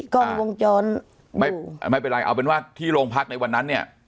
กล้องวงจรไม่เป็นไรเอาเป็นว่าที่โรงพักในวันนั้นเนี่ย